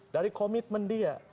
dari komitmen dia